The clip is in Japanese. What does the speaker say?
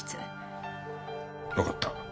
わかった。